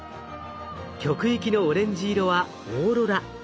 極域のオレンジ色はオーロラ。